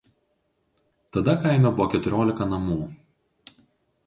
Tada kaime buvo keturiolika namų.